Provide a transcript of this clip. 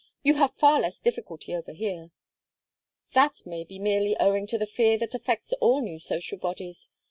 You have far less difficulty over here." "That may be merely owing to the fear that affects all new social bodies.